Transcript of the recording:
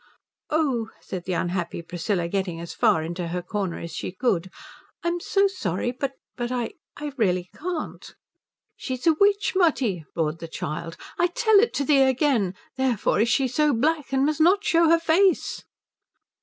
"Oh," said the unhappy Priscilla, getting as far into her corner as she could, "I'm so sorry but I but I really can't." "She's a witch, Mutti!" roared the child, "I tell it to thee again therefore is she so black, and must not show her face!"